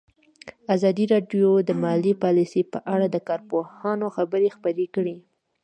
ازادي راډیو د مالي پالیسي په اړه د کارپوهانو خبرې خپرې کړي.